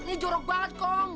nih jorok banget kong